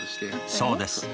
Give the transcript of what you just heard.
そうです。